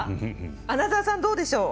穴澤さん、どうでしょう？